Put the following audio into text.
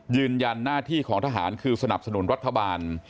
ยืนยันหน้าที่ของทหารคือสนับสนุนรัฐบาล